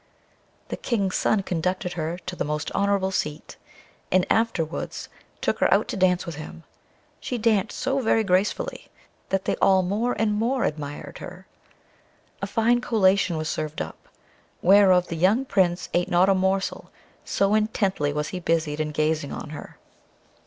The King's son conducted her to the most honourable seat, and afterwards took her out to dance with him: she danced so very gracefully, that they all more and more admired her. A fine collation was served up, whereof the young Prince ate not a morsel, so intently was he busied in gazing on her.